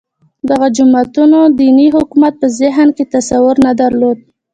دغو جماعتونو دیني حکومت په ذهن کې تصور نه درلود